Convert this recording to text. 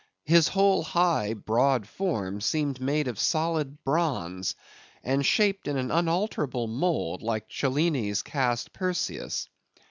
His whole high, broad form, seemed made of solid bronze, and shaped in an unalterable mould, like Cellini's cast Perseus.